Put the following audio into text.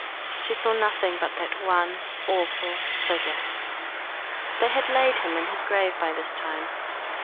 She saw nothing but that one awful figure. They had laid him in his grave by this time.